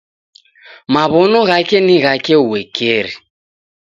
Maw'ono ghake ni ghake uekeri